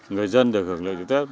người dân được hưởng lợi trực tiếp